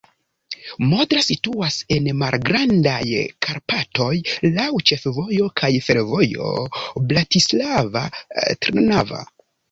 Modra situas en Malgrandaj Karpatoj, laŭ ĉefvojo kaj fervojo Bratislava-Trnava.